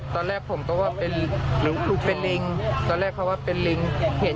ตอนแรกผมก็ว่าเป็นลูกเป็นลิงตอนแรกเขาว่าเป็นลิงเห็น